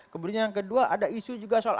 kemudian yang kedua ada isu juga soal